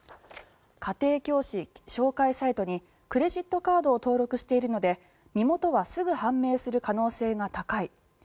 家庭教師紹介サイトにクレジットカードを登録しているので身元はすぐ判明する可能性が高い。